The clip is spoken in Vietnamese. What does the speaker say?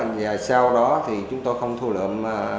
và sau đó thì chúng tôi không thu lượm